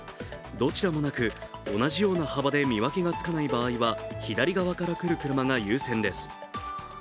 どちらもなく、同じような幅で見分けがつかない場合は左側から来る車が優先です。